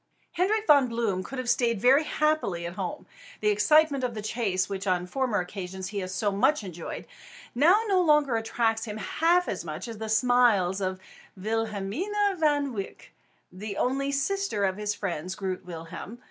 Hendrik Von Bloom could have stayed very happily at home. The excitement of the chase, which on former occasions he had so much enjoyed, now no longer attracts him half so much as the smiles of Wilhelmina Van Wyk, the only sister of his friends Groot Willem and Arend.